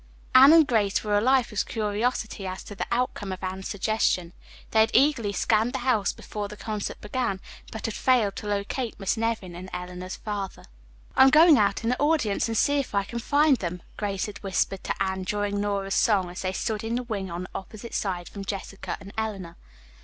Anne and Grace were alive with curiosity as to the outcome of Anne's suggestion. They had eagerly scanned the house before the concert began, but had failed to locate Miss Nevin and Eleanor's father. "I'm going out in the audience and see if I can find them," Grace had whispered to Anne during Nora's song, as they stood in the wing on the opposite side from Jessica and Eleanor.